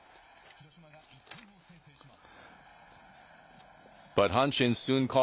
広島が１点を先制します。